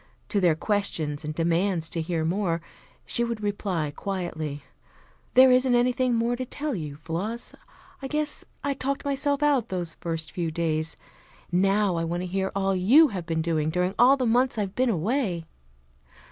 To their questions and demands to hear more, she would reply quietly, "There isn't anything more to tell you, Floss. I guess I talked myself out those first few days. Now I want to hear all you have been doing during all the months I've been away."